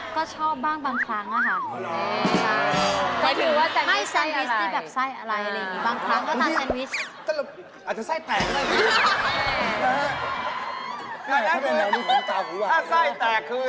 ก็ชอบบ้างบางครั้งอะค่ะ